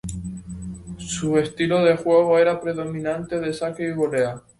Su estilo de juego era predominantemente de saque y volea.